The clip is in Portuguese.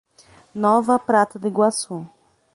Nova Prata do Iguaçu